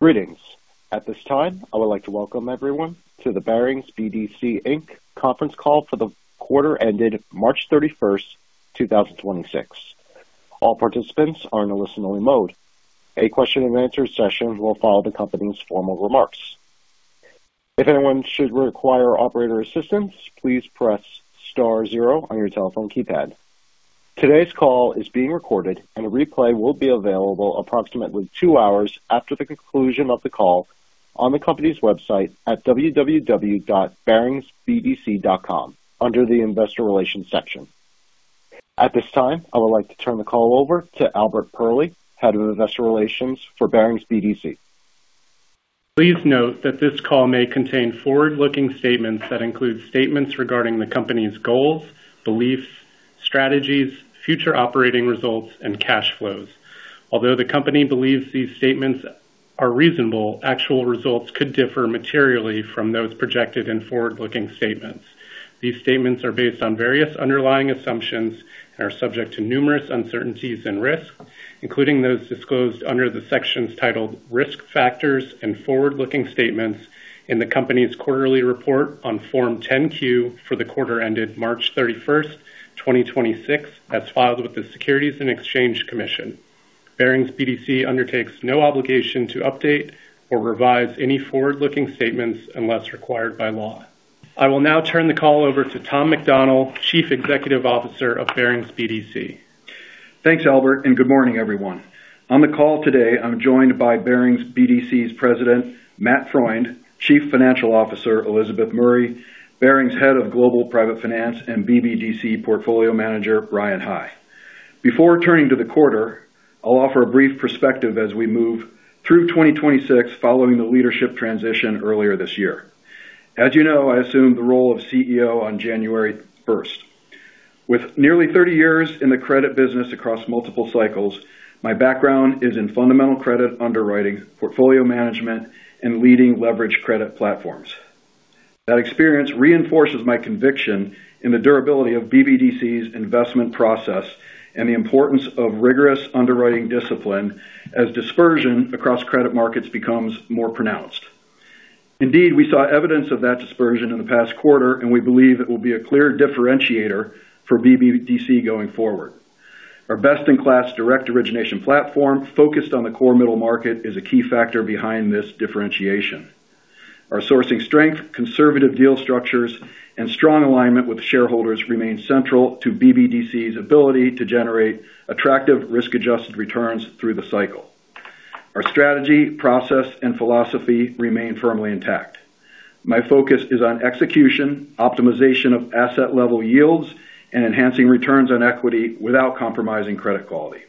Greetings. At this time, I would like to welcome everyone to the Barings BDC, Inc. conference call for the quarter ended March 31st, 2026. All participants are in a listen-only mode. A question and answer session will follow the company's formal remarks. If anyone should require operator assistance, please press star zero on your telephone keypad. Today's call is being recorded, and a replay will be available approximately two hours after the conclusion of the call on the company's website at www.baringsbdc.com under the Investor Relations section. At this time, I would like to turn the call over to Albert Perley, Head of Investor Relations for Barings BDC. Please note that this call may contain forward-looking statements that include statements regarding the company's goals, beliefs, strategies, future operating results and cash flows. Although the company believes these statements are reasonable, actual results could differ materially from those projected in forward-looking statements. These statements are based on various underlying assumptions and are subject to numerous uncertainties and risks, including those disclosed under the sections titled Risk Factors and Forward-Looking Statements in the company's quarterly report on Form 10-Q for the quarter ended March 31st, 2026, as filed with the Securities and Exchange Commission. Barings BDC undertakes no obligation to update or revise any forward-looking statements unless required by law. I will now turn the call over to Tom McDonnell, Chief Executive Officer of Barings BDC. Thanks, Albert Perley. Good morning, everyone. On the call today, I'm joined by Barings BDC's President, Matt Freund, Chief Financial Officer, Elizabeth Murray, Barings Head of Global Private Finance, and BBDC Portfolio Manager, Bryan High. Before turning to the quarter, I'll offer a brief perspective as we move through 2026 following the leadership transition earlier this year. As you know, I assumed the role of CEO on January 1st. With nearly 30 years in the credit business across multiple cycles, my background is in fundamental credit underwriting, portfolio management, and leading leverage credit platforms. That experience reinforces my conviction in the durability of BBDC's investment process and the importance of rigorous underwriting discipline as dispersion across credit markets becomes more pronounced. Indeed, we saw evidence of that dispersion in the past quarter. We believe it will be a clear differentiator for BBDC going forward. Our best-in-class direct origination platform focused on the core middle market is a key factor behind this differentiation. Our sourcing strength, conservative deal structures, and strong alignment with shareholders remain central to BBDC's ability to generate attractive risk-adjusted returns through the cycle. Our strategy, process, and philosophy remain firmly intact. My focus is on execution, optimization of asset-level yields, and enhancing returns on equity without compromising credit quality.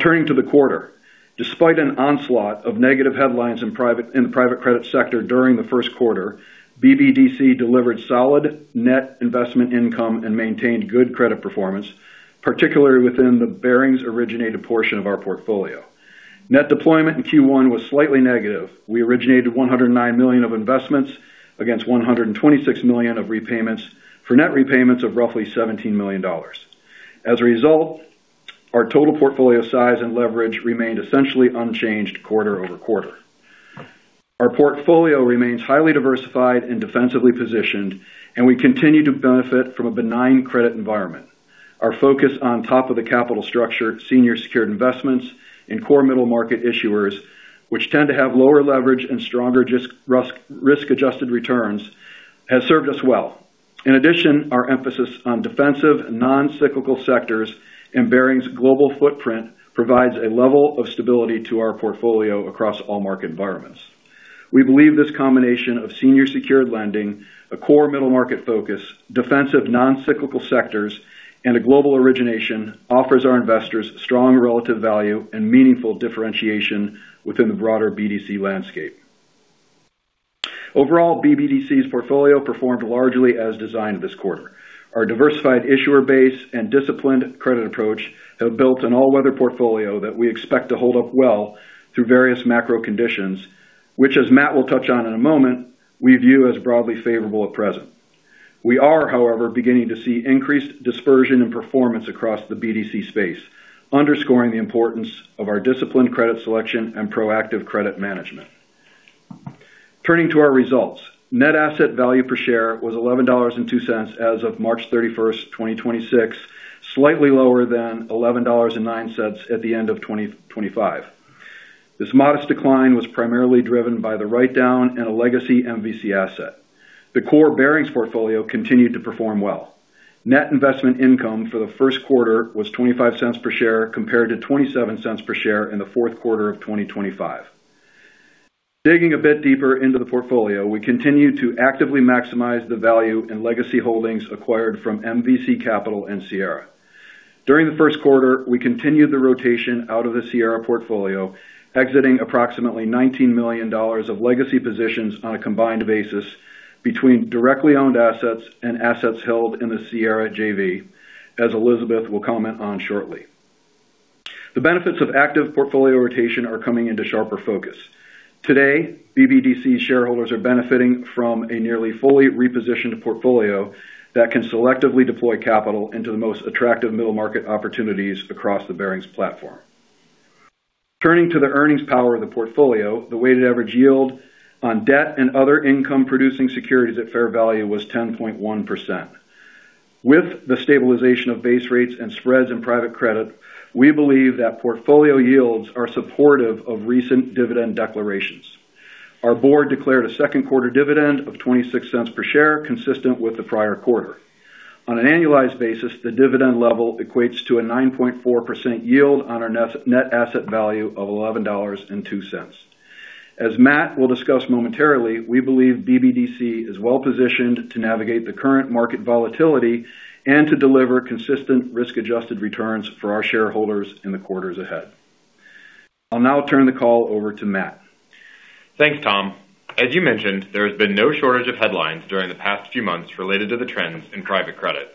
Turning to the quarter. Despite an onslaught of negative headlines in the private credit sector during the first quarter, BBDC delivered solid net investment income and maintained good credit performance, particularly within the Barings-originated portion of our portfolio. Net deployment in Q1 was slightly negative. We originated $109 million of investments against $126 million of repayments for net repayments of roughly $17 million. As a result, our total portfolio size and leverage remained essentially unchanged quarter-over-quarter. Our portfolio remains highly diversified and defensively positioned, we continue to benefit from a benign credit environment. Our focus on top-of-the-capital structure, senior secured investments and core middle-market issuers, which tend to have lower leverage and stronger risk-adjusted returns, has served us well. In addition, our emphasis on defensive, non-cyclical sectors and Barings' global footprint provides a level of stability to our portfolio across all market environments. We believe this combination of senior secured lending, a core middle-market focus, defensive non-cyclical sectors, and a global origination offers our investors strong relative value and meaningful differentiation within the broader BDC landscape. Overall, BBDC's portfolio performed largely as designed this quarter. Our diversified issuer base and disciplined credit approach have built an all-weather portfolio that we expect to hold up well through various macro conditions, which, as Matt will touch on in a moment, we view as broadly favorable at present. We are, however, beginning to see increased dispersion in performance across the BDC space, underscoring the importance of our disciplined credit selection and proactive credit management. Turning to our results. Net asset value per share was $11.02 as of March 31st, 2026, slightly lower than $11.09 at the end of 2025. This modest decline was primarily driven by the write-down in a legacy MVC asset. The core Barings portfolio continued to perform well. Net investment income for the first quarter was $0.25 per share compared to $0.27 per share in the fourth quarter of 2025. Digging a bit deeper into the portfolio, we continue to actively maximize the value in legacy holdings acquired from MVC Capital and Sierra. During the first quarter, we continued the rotation out of the Sierra portfolio, exiting approximately $19 million of legacy positions on a combined basis between directly owned assets and assets held in the Sierra JV, as Elizabeth will comment on shortly. The benefits of active portfolio rotation are coming into sharper focus. Today, BBDC shareholders are benefiting from a nearly fully repositioned portfolio that can selectively deploy capital into the most attractive middle market opportunities across the Barings platform. Turning to the earnings power of the portfolio, the weighted average yield on debt and other income producing securities at fair value was 10.1%. With the stabilization of base rates and spreads in private credit, we believe that portfolio yields are supportive of recent dividend declarations. Our board declared a second quarter dividend of $0.26 per share, consistent with the prior quarter. On an annualized basis, the dividend level equates to a 9.4% yield on our net asset value of $11.02. As Matt will discuss momentarily, we believe BBDC is well-positioned to navigate the current market volatility and to deliver consistent risk-adjusted returns for our shareholders in the quarters ahead. I'll now turn the call over to Matt. Thanks, Tom. As you mentioned, there has been no shortage of headlines during the past few months related to the trends in private credit.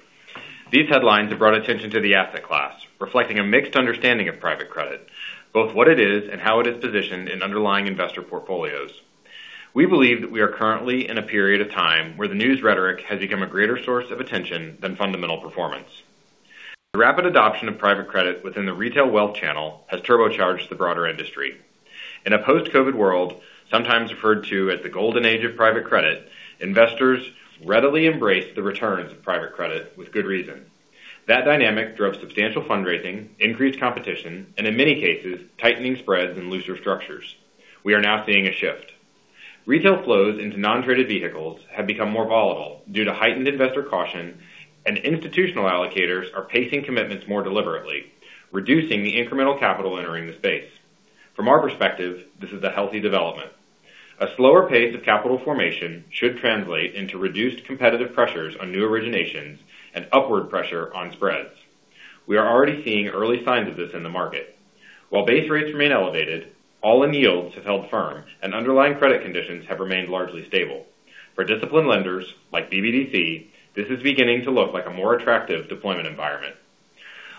These headlines have brought attention to the asset class, reflecting a mixed understanding of private credit, both what it is and how it is positioned in underlying investor portfolios. We believe that we are currently in a period of time where the news rhetoric has become a greater source of attention than fundamental performance. The rapid adoption of private credit within the retail wealth channel has turbocharged the broader industry. In a post-COVID world, sometimes referred to as the golden age of private credit, investors readily embrace the returns of private credit with good reason. That dynamic drove substantial fundraising, increased competition, and in many cases, tightening spreads and looser structures. We are now seeing a shift. Retail flows into non-traded vehicles have become more volatile due to heightened investor caution, and institutional allocators are pacing commitments more deliberately, reducing the incremental capital entering the space. From our perspective, this is a healthy development. A slower pace of capital formation should translate into reduced competitive pressures on new originations and upward pressure on spreads. We are already seeing early signs of this in the market. While base rates remain elevated, all-in yields have held firm and underlying credit conditions have remained largely stable. For disciplined lenders like BBDC, this is beginning to look like a more attractive deployment environment.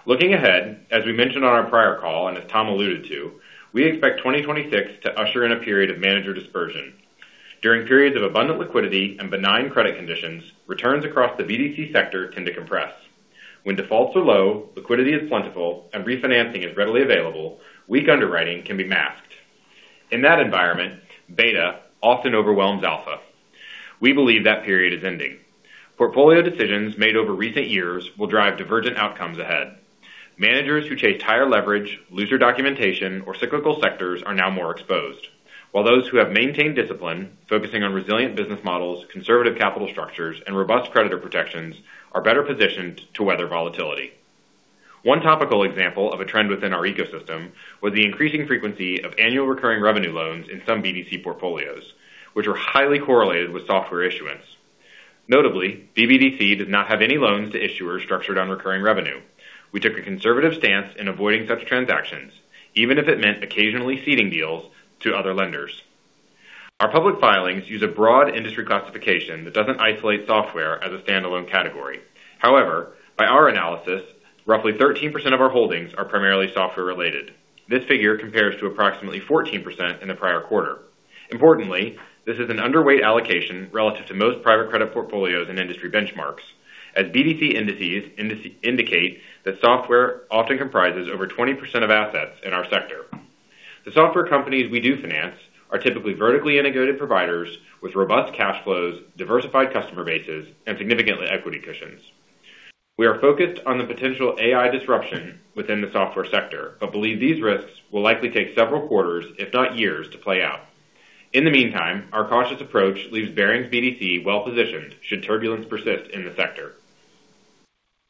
Looking ahead, as we mentioned on our prior call and as Tom alluded to, we expect 2026 to usher in a period of manager dispersion. During periods of abundant liquidity and benign credit conditions, returns across the BDC sector tend to compress. When defaults are low, liquidity is plentiful, and refinancing is readily available, weak underwriting can be masked. In that environment, beta often overwhelms alpha. We believe that period is ending. Portfolio decisions made over recent years will drive divergent outcomes ahead. Managers who chase higher leverage, looser documentation, or cyclical sectors are now more exposed. While those who have maintained discipline, focusing on resilient business models, conservative capital structures, and robust creditor protections are better positioned to weather volatility. One topical example of a trend within our ecosystem was the increasing frequency of annual recurring revenue loans in some BDC portfolios, which were highly correlated with software issuance. Notably, BBDC does not have any loans to issuers structured on recurring revenue. We took a conservative stance in avoiding such transactions, even if it meant occasionally ceding deals to other lenders. Our public filings use a broad industry classification that doesn't isolate software as a standalone category. By our analysis, roughly 13% of our holdings are primarily software related. This figure compares to approximately 14% in the prior quarter. This is an underweight allocation relative to most private credit portfolios and industry benchmarks, as BDC indices indicate that software often comprises over 20% of assets in our sector. The software companies we do finance are typically vertically integrated providers with robust cash flows, diversified customer bases, and significantly equity cushions. We are focused on the potential AI disruption within the software sector, but believe these risks will likely take several quarters, if not years, to play out. Our cautious approach leaves Barings BDC well-positioned should turbulence persist in the sector.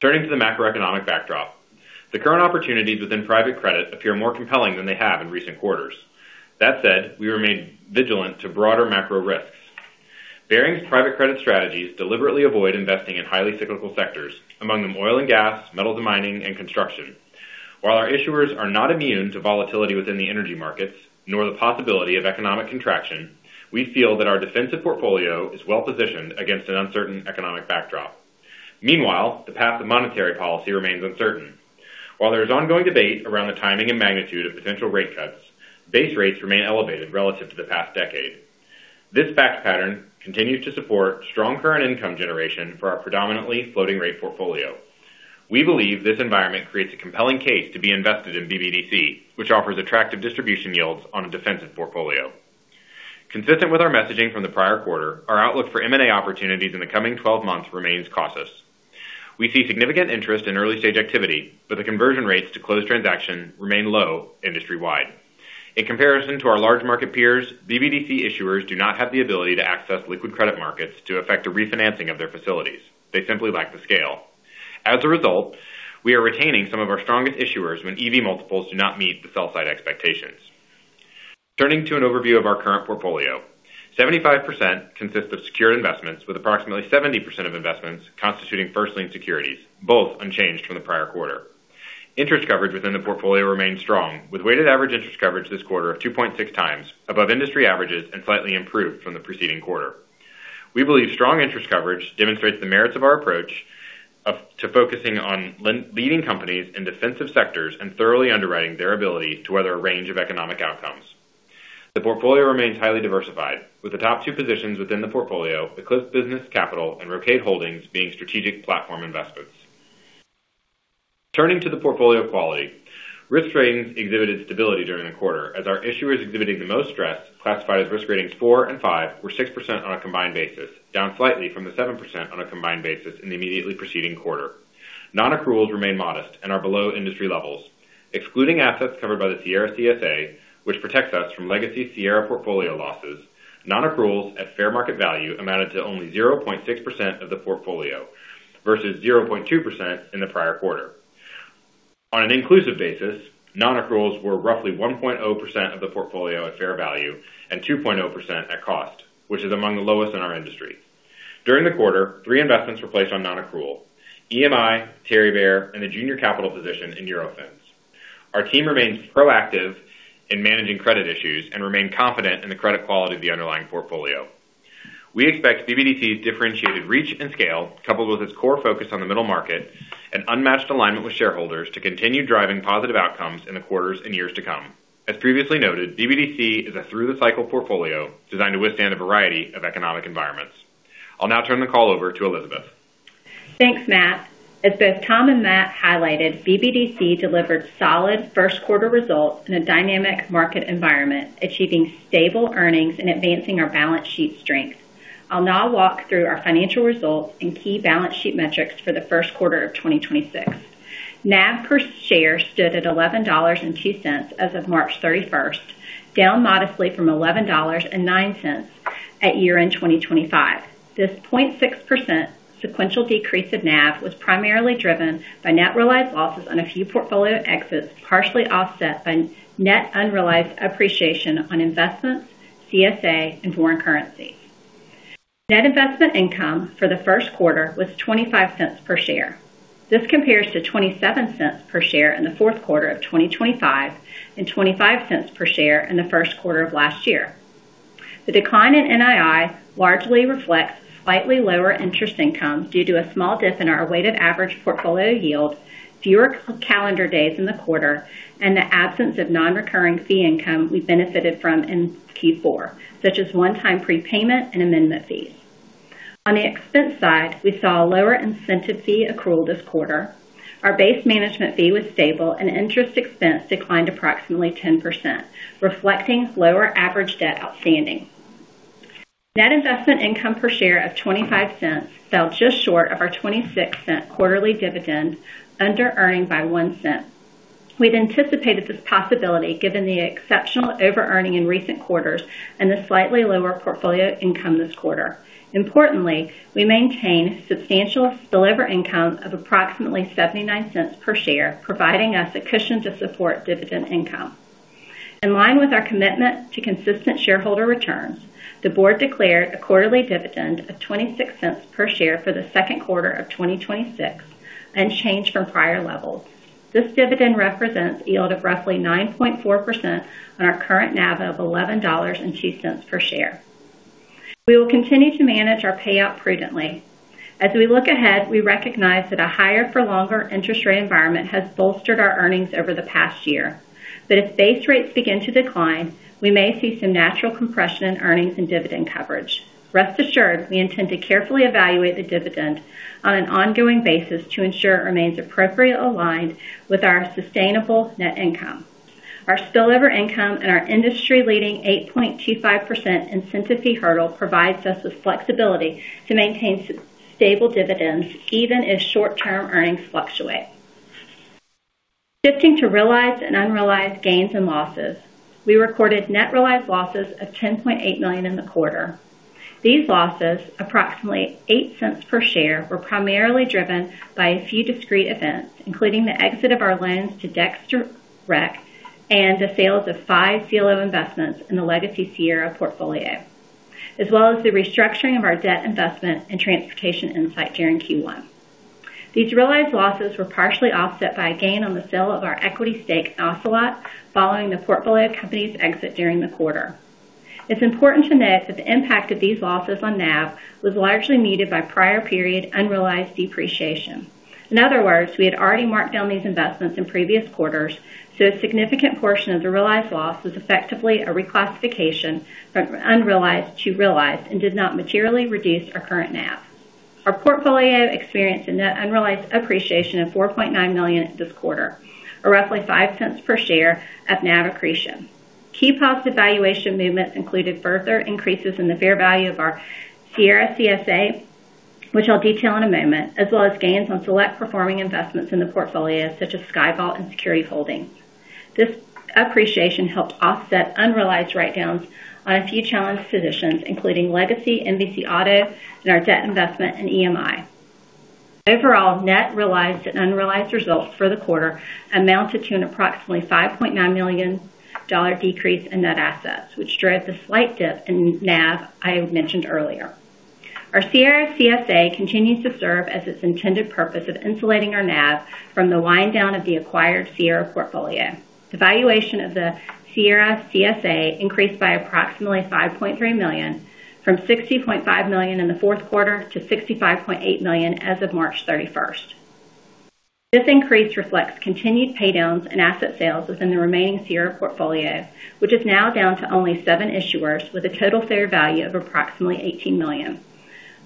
Turning to the macroeconomic backdrop. The current opportunities within private credit appear more compelling than they have in recent quarters. We remain vigilant to broader macro risks. Barings private credit strategies deliberately avoid investing in highly cyclical sectors, among them oil and gas, metals and mining, and construction. Our issuers are not immune to volatility within the energy markets, nor the possibility of economic contraction, we feel that our defensive portfolio is well-positioned against an uncertain economic backdrop. The path of monetary policy remains uncertain. There is ongoing debate around the timing and magnitude of potential rate cuts, base rates remain elevated relative to the past decade. This fact pattern continues to support strong current income generation for our predominantly floating rate portfolio. We believe this environment creates a compelling case to be invested in BBDC, which offers attractive distribution yields on a defensive portfolio. Consistent with our messaging from the prior quarter, our outlook for M&A opportunities in the coming 12 months remains cautious. We see significant interest in early-stage activity, but the conversion rates to close transactions remain low industry-wide. In comparison to our large market peers, BBDC issuers do not have the ability to access liquid credit markets to affect a refinancing of their facilities. They simply lack the scale. As a result, we are retaining some of our strongest issuers when EV multiples do not meet the sell side expectations. Turning to an overview of our current portfolio. 75% consists of secured investments with approximately 70% of investments constituting first lien securities, both unchanged from the prior quarter. Interest coverage within the portfolio remains strong, with weighted average interest coverage this quarter of 2.6x above industry averages and slightly improved from the preceding quarter. We believe strong interest coverage demonstrates the merits of our approach to focusing on leading companies in defensive sectors and thoroughly underwriting their ability to weather a range of economic outcomes. The portfolio remains highly diversified, with the top two positions within the portfolio, Eclipse Business Capital and Rocade Holdings, being strategic platform investments. Turning to the portfolio quality. Risk ratings exhibited stability during the quarter as our issuers exhibiting the most stress classified as risk ratings four and five were 6% on a combined basis, down slightly from the 7% on a combined basis in the immediately preceding quarter. Non-accruals remain modest and are below industry levels. Excluding assets covered by the Sierra CSA, which protects us from legacy Sierra portfolio losses, non-accruals at fair market value amounted to only 0.6% of the portfolio, versus 0.2% in the prior quarter. On an inclusive basis, non-accruals were roughly 1.0% of the portfolio at fair value and 2.0% at cost, which is among the lowest in our industry. During the quarter, three investments were placed on non-accrual: EMI, Terrybear, and a junior capital position in Eurofence. Our team remains proactive in managing credit issues and remain confident in the credit quality of the underlying portfolio. We expect BBDC's differentiated reach and scale, coupled with its core focus on the middle market and unmatched alignment with shareholders to continue driving positive outcomes in the quarters and years to come. As previously noted, BBDC is a through the cycle portfolio designed to withstand a variety of economic environments. I'll now turn the call over to Elizabeth. Thanks, Matt. As both Tom and Matt highlighted, BBDC delivered solid first quarter results in a dynamic market environment, achieving stable earnings and advancing our balance sheet strength. I'll now walk through our financial results and key balance sheet metrics for the first quarter of 2026. NAV per share stood at $11.02 as of March 31st, down modestly from $11.09 at year-end 2025. This 0.6% sequential decrease of NAV was primarily driven by net realized losses on a few portfolio exits, partially offset by net unrealized appreciation on investments, CSA, and foreign currency. Net investment income for the first quarter was $0.25 per share. This compares to $0.27 per share in the fourth quarter of 2025 and $0.25 per share in the first quarter of last year. The decline in NII largely reflects slightly lower interest income due to a small dip in our weighted average portfolio yield, fewer calendar days in the quarter, and the absence of non-recurring fee income we benefited from in Q4, such as one-time prepayment and amendment fees. On the expense side, we saw a lower incentive fee accrual this quarter. Our base management fee was stable and interest expense declined approximately 10%, reflecting lower average debt outstanding. Net investment income per share of $0.25 fell just short of our $0.26 quarterly dividend, under earning by $0.01. We've anticipated this possibility given the exceptional overearning in recent quarters and the slightly lower portfolio income this quarter. Importantly, we maintain substantial spillover income of approximately $0.79 per share, providing us a cushion to support dividend income. In line with our commitment to consistent shareholder returns, the board declared a quarterly dividend of $0.26 per share for the 2Q 2026, unchanged from prior levels. This dividend represents yield of roughly 9.4% on our current NAV of $11.02 per share. We will continue to manage our payout prudently. If base rates begin to decline, we may see some natural compression in earnings and dividend coverage. Rest assured, we intend to carefully evaluate the dividend on an ongoing basis to ensure it remains appropriately aligned with our sustainable net income. Our spillover income and our industry-leading 8.25% incentive fee hurdle provides us with flexibility to maintain stable dividends even if short-term earnings fluctuate. Shifting to realized and unrealized gains and losses. We recorded net realized losses of $10.8 million in the quarter. These losses, approximately $0.08 per share, were primarily driven by a few discrete events, including the exit of our loans to Dexter Axle and the sales of 5 CLO investments in the Legacy Sierra portfolio, as well as the restructuring of our debt investment in Transportation Insight during Q1. These realized losses were partially offset by a gain on the sale of our equity stake in Ocelot following the portfolio company's exit during the quarter. It's important to note that the impact of these losses on NAV was largely netted by prior period unrealized depreciation. In other words, we had already marked down these investments in previous quarters, so a significant portion of the realized loss was effectively a reclassification from unrealized to realized and did not materially reduce our current NAV. Our portfolio experienced a net unrealized appreciation of $4.9 million this quarter, or roughly $0.05 per share of NAV accretion. Key positive valuation movements included further increases in the fair value of our Sierra CSA, which I'll detail in a moment, as well as gains on select performing investments in the portfolio, such as Sky Valet and Security Holding. This appreciation helped offset unrealized write-downs on a few challenged positions, including Legacy, MVC Automotive, and our debt investment in EMI. Overall, net realized and unrealized results for the quarter amounted to an approximately $5.9 million decrease in net assets, which drove the slight dip in NAV I had mentioned earlier. Our Sierra CSA continues to serve as its intended purpose of insulating our NAV from the wind down of the acquired Sierra portfolio. The valuation of the Sierra CSA increased by approximately $5.3 million from $65.5 million in the fourth quarter to $65.8 million as of March 31st. This increase reflects continued pay downs and asset sales within the remaining Sierra portfolio, which is now down to only seven issuers with a total fair value of approximately $18 million,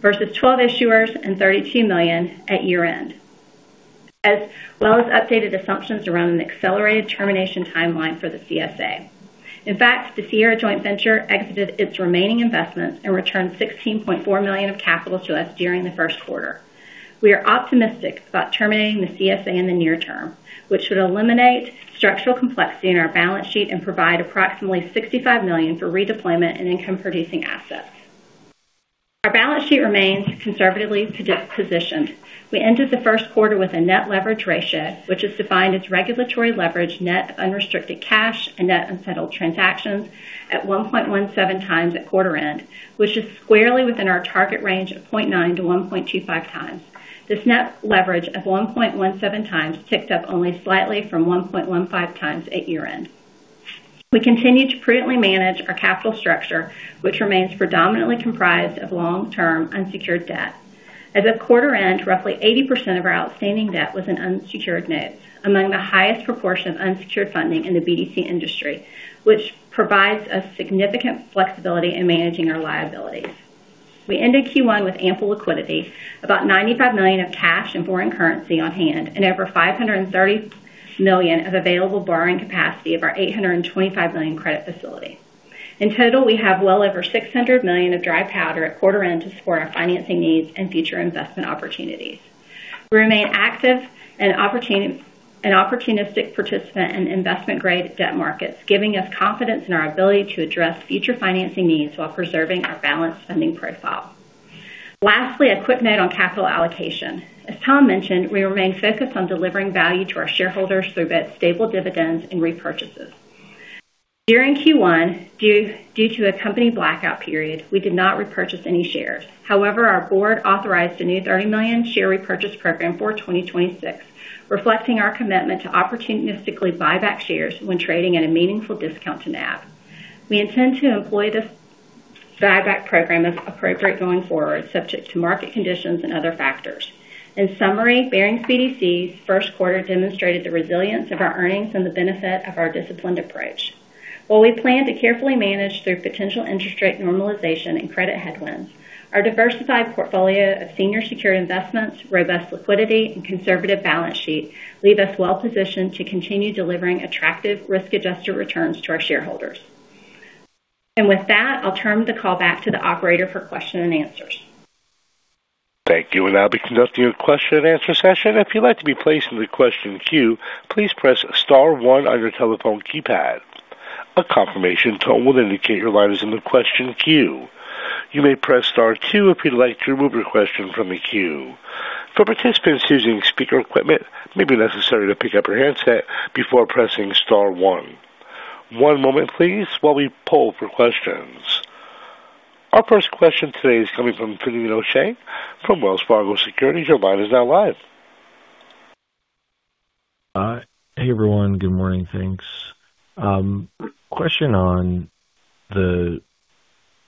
versus 12 issuers and $32 million at year-end. As well as updated assumptions around an accelerated termination timeline for the CSA. In fact, the Sierra joint venture exited its remaining investments and returned $16.4 million of capital to us during the first quarter. We are optimistic about terminating the CSA in the near term, which should eliminate structural complexity in our balance sheet and provide approximately $65 million for redeployment and income-producing assets. Our balance sheet remains conservatively positioned. We ended the first quarter with a net leverage ratio, which is defined as regulatory leverage, net unrestricted cash and net unsettled transactions at 1.17x at quarter end, which is squarely within our target range of 0.9 to 1.25x. This net leverage of 1.17x ticks up only slightly from 1.15x at year-end. We continue to prudently manage our capital structure, which remains predominantly comprised of long-term unsecured debt. As of quarter end, roughly 80% of our outstanding debt was an unsecured note, among the highest proportion of unsecured funding in the BDC industry, which provides us significant flexibility in managing our liabilities. We ended Q1 with ample liquidity, about $95 million of cash and foreign currency on hand and over $530 million of available borrowing capacity of our $825 million credit facility. In total, we have well over $600 million of dry powder at quarter end to support our financing needs and future investment opportunities. We remain active and an opportunistic participant in investment-grade debt markets, giving us confidence in our ability to address future financing needs while preserving our balanced funding profile. Lastly, a quick note on capital allocation. As Tom mentioned, we remain focused on delivering value to our shareholders through stable dividends and repurchases. During Q1, due to a company blackout period, we did not repurchase any shares. However, our board authorized a new $30 million share repurchase program for 2026, reflecting our commitment to opportunistically buy back shares when trading at a meaningful discount to NAV. We intend to employ this buyback program as appropriate going forward, subject to market conditions and other factors. In summary, Barings BDC's first quarter demonstrated the resilience of our earnings and the benefit of our disciplined approach. While we plan to carefully manage through potential interest rate normalization and credit headwinds, our diversified portfolio of senior secured investments, robust liquidity and conservative balance sheet leave us well positioned to continue delivering attractive risk-adjusted returns to our shareholders. With that, I'll turn the call back to the operator for question and answers. Thank you. We'll now be conducting a question-and-answer session If you like to placed on the queue please press star one on your telephone keypad a confirmation tone will indicate your are on the question queue you may press star two if you like to remove yourself from the queue for participants using speaker equipment maybe necessary to pick up your handset before pressing star one. One moment please while we poll for questions. Our first question today is coming from Finian O'Shea from Wells Fargo Securities. Your line is now live. Hey everyone. Good morning. Thanks. Question on the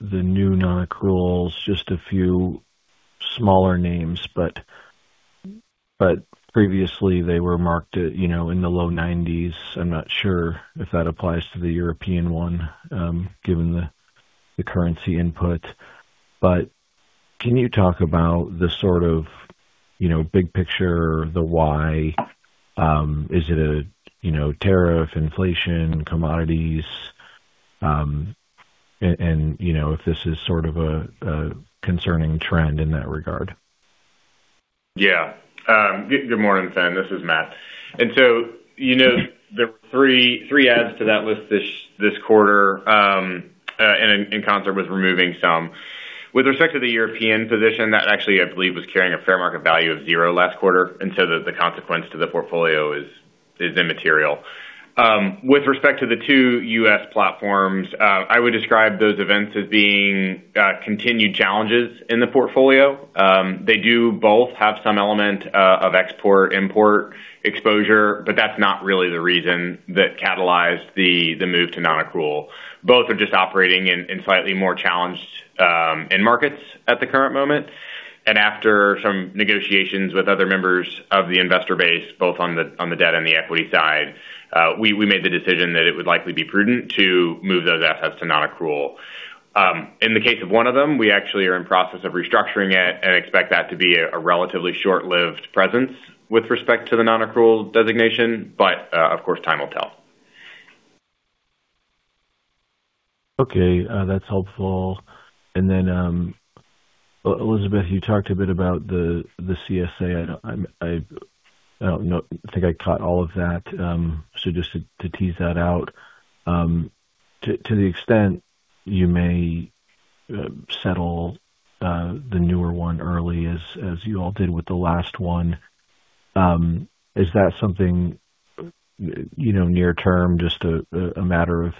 new non-accruals, just a few smaller names, but previously they were marked at, you know, in the low 90s. I'm not sure if that applies to the European one, given the currency input. Can you talk about the sort of, you know, big picture, the why? Is it a, you know, tariff, inflation, commodities? You know, if this is sort of a concerning trend in that regard. Good morning, Finn. This is Matt. So, you know, there were 3 adds to that list this quarter, in concert with removing some. With respect to the European position, that actually I believe was carrying a fair market value of zero last quarter, so the consequence to the portfolio is immaterial. With respect to the two U.S. platforms, I would describe those events as being continued challenges in the portfolio. They do both have some element of export-import exposure, but that's not really the reason that catalyzed the move to non-accrual. Both are just operating in slightly more challenged end markets at the current moment. After some negotiations with other members of the investor base, both on the debt and the equity side, we made the decision that it would likely be prudent to move those assets to non-accrual. In the case of one of them, we actually are in process of restructuring it and expect that to be a relatively short-lived presence with respect to the non-accrual designation. Of course, time will tell. Okay, that's helpful. Then, Elizabeth, you talked a bit about the CSA. I don't think I caught all of that. Just to tease that out, to the extent you may settle the newer one early as you all did with the last one, is that something, you know, near term, just a matter of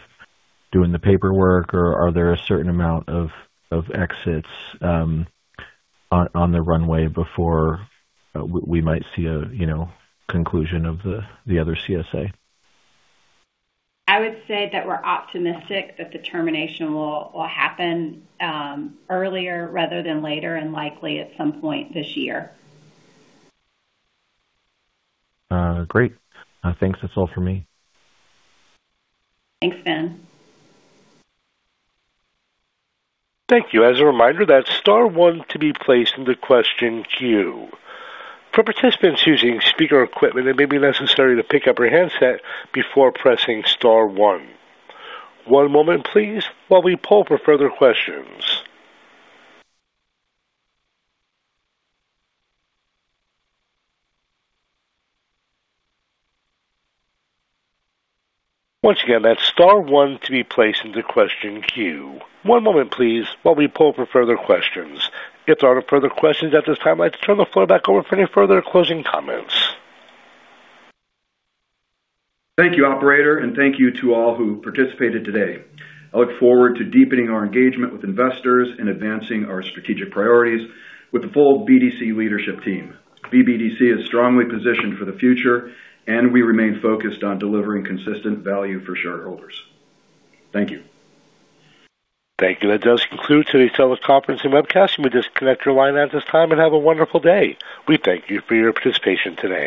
doing the paperwork, or are there a certain amount of exits on the runway before we might see a, you know, conclusion of the other CSA? I would say that we're optimistic that the termination will happen earlier rather than later and likely at some point this year. Great. Thanks. That's all for me. Thanks, Fin. Thank you. As a reminder, that's star one to be placed in the question queue. For participants using speaker equipment, it may be necessary to pick up your handset before pressing star one. One moment please while we poll for further questions. Once again, that's star one to be placed in the question queue. One moment please while we poll for further questions. If there are no further questions at this time, I'd like to turn the floor back over for any further closing comments. Thank you, operator, and thank you to all who participated today. I look forward to deepening our engagement with investors and advancing our strategic priorities with the full BDC leadership team. BBDC is strongly positioned for the future, and we remain focused on delivering consistent value for shareholders. Thank you. Thank you. That does conclude today's teleconference and webcast. You may disconnect your line at this time and have a wonderful day. We thank you for your participation today.